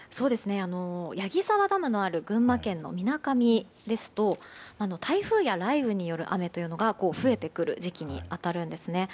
矢木沢ダムのある群馬県のみなかみですと台風や雷雨による雨というのが増えてくる時期に当たるんですね。